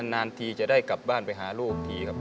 นานทีจะได้กลับบ้านไปหาลูกทีครับ